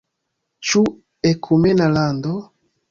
Ĉu ekumena lando?